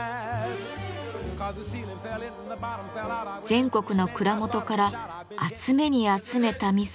全国の蔵元から集めに集めた味噌